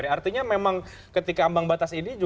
artinya memang ketika ambang batas ini